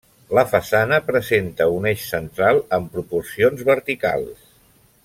La façana presenta un eix central amb proporcions verticals.